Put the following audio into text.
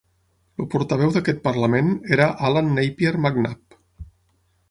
El portaveu d'aquest parlament era Allan Napier MacNab.